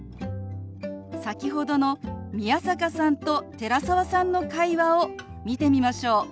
先ほどの宮坂さんと寺澤さんの会話を見てみましょう。